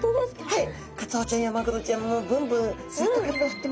はい。